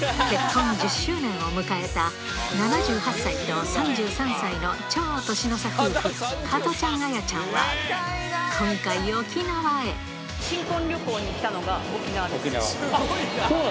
結婚１０周年を迎えた７８歳と３３歳の超年の差夫婦、加トちゃん、アヤちゃんは、今回、新婚旅行に来たのが、沖縄です。